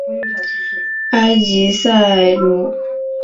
埃吉赛姆。